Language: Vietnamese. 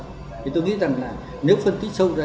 thì tôi nghĩ rằng là nếu phân tích sâu ra